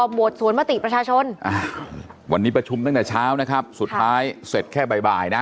โหวตสวนมติประชาชนวันนี้ประชุมตั้งแต่เช้านะครับสุดท้ายเสร็จแค่บ่ายนะ